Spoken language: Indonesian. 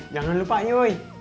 jangan lupa yuy